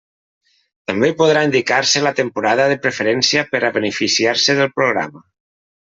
També podrà indicar-se la temporada de preferència per a beneficiar-se del programa.